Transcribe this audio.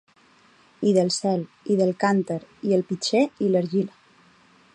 I del cel, i del cànter, i el pitxer, i l’argila.